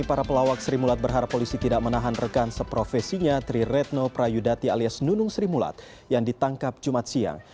para pelawak serimulat berharap polisi tidak menahan rekan seprofesinya tri retno prayudati alias nunung serimulat yang ditangkap jumat siang